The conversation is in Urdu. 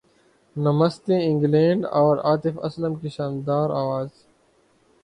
نمستے انگلینڈ اور عاطف اسلم کی شاندار اواز